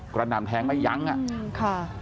กระหน่ำแทงมายังอ่ะ